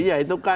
iya itu kan